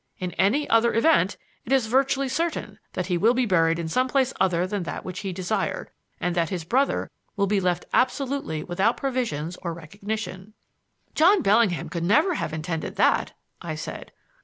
In any other event, it is virtually certain that he will be buried in some place other than that which he desired, and that his brother will be left absolutely without provision or recognition." "John Bellingham could never have intended that," I said.